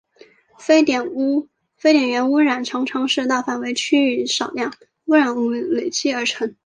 非点源污染常常是大范围区域少量污染物累积而成。